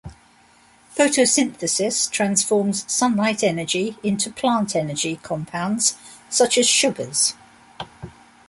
Photosynthesis transforms sunlight energy into plant energy compounds such as sugars.